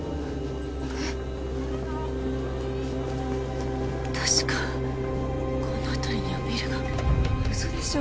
えっ確かこの辺りにはビルが嘘でしょ